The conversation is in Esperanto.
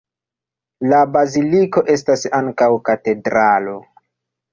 La baziliko estas ankaŭ katedralo.